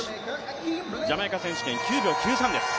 ジャマイカ選手権、９秒９３です。